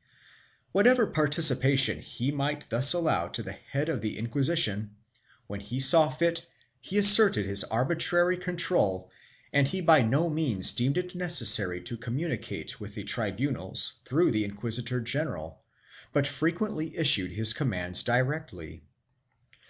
2 Whatever participation he might thus allow to the head of the Inquisition, when he saw fit he asserted his arbitrary control and he by no means deemed it necessary to communicate with the tribunals through the inquisitor general but frequently issued his commands directly.